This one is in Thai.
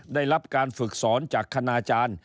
ได้รับการฝึกสอนจากคณาจารย์